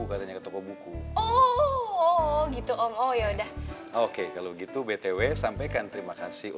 katanya ke toko buku oh gitu om oh yaudah oke kalau gitu btw sampaikan terima kasih